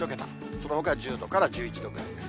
そのほか１０度から１１度ぐらいです。